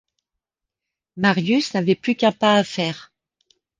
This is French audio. Marius n’avait plus qu’un pas à faire.